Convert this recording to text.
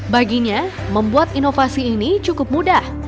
baginya membuat inovasi ini cukup mudah